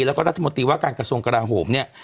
และก็รัฐมนตรีว่าการกระทรงกระนาหมศ์เนี่ย